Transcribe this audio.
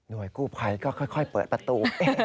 กู้ภัยก็ค่อยเปิดประตู